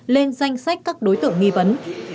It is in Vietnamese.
lên danh sách các đối tượng nghi vấn